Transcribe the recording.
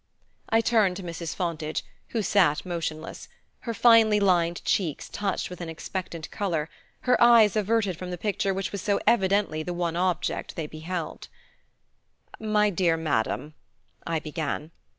I turned to Mrs. Fontage, who sat motionless, her finely lined cheeks touched with an expectant color, her eyes averted from the picture which was so evidently the one object they beheld. "My dear madam " I began.